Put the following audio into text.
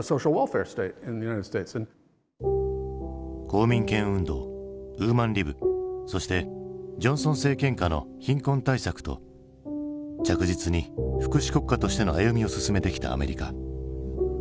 公民権運動ウーマンリブそしてジョンソン政権下の貧困対策と着実に福祉国家としての歩みを進めてきたアメリカ。